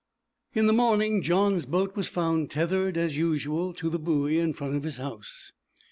In the morning Johns' boat was found tethered as usual to the buoy in front of his house.